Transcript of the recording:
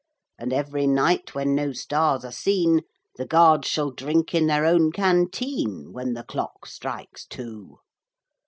And every night when no stars are seen The guards shall drink in their own canteen When the clock strikes two.